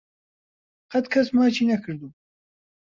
قەت کەس ماچی نەکردووم.